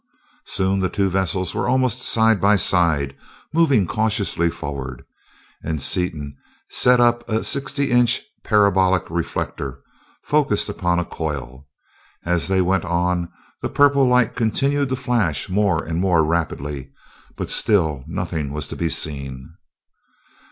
Soon the two vessels were almost side by side, moving cautiously forward, and Seaton set up a sixty inch parabolic reflector, focused upon a coil. As they went on, the purple light continued to flash more and more rapidly, but still nothing was to be seen.